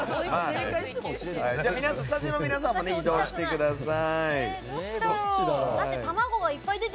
スタジオの皆さんも移動してください。